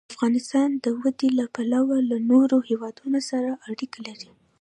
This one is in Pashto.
افغانستان د وادي له پلوه له نورو هېوادونو سره اړیکې لري.